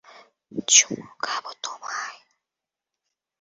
চুমু খাবো তোমায়।